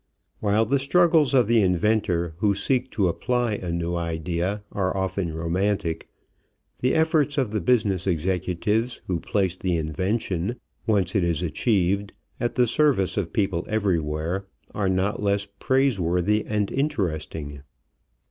While the struggles of the inventor who seeks to apply a new idea are often romantic, the efforts of the business executives who place the invention, once it is achieved, at the service of people everywhere, are not less praiseworthy and interesting.